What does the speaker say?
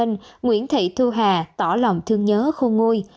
nguyễn thị thu hà tỏ lòng thương nhớ khu ngôi